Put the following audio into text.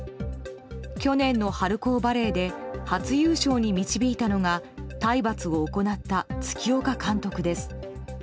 去年の春高バレーで初優勝に導いたのが体罰を行った月岡監督です。